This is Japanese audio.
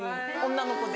女の子で。